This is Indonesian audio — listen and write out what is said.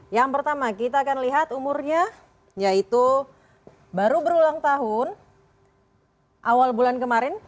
yang pertama kita akan lihat umurnya yaitu baru berulang tahun awal bulan kemarin